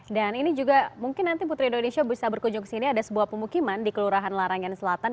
dan ini juga mungkin nanti putri indonesia bisa berkunjung ke sini ada sebuah pemukiman di kelurahan larangan selatan